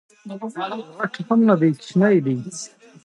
چې هېواد کې درنو ترکانو ته سپکه کليمه استعمالوي.